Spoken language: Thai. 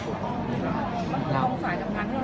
แล้วอุปสรรคก็เราทำด้วย